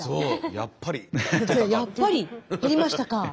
「やっぱり減りましたか」。